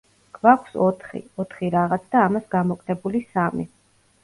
გვაქვს ოთხი, ოთხი რაღაც და ამას გამოკლებული სამი.